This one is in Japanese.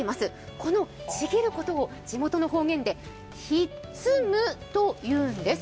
このちぎることを、地元の表現で「ひっつむ」と言うんです。